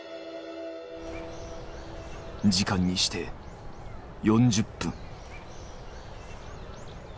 時間にして４０分。